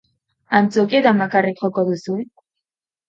Antzokietan bakarrik joko duzue?